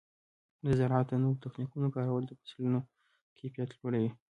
د زراعت د نوو تخنیکونو کارول د فصلونو کیفیت لوړوي.